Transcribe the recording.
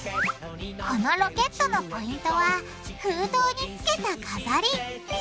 このロケットのポイントは封筒につけた飾り！